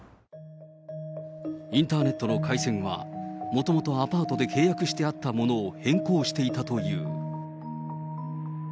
インターネットの回線は、もともとアパートで契約してあったものを変更していたという。